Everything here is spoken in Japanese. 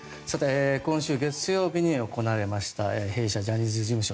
今週月曜日に行われました弊社ジャニーズ事務所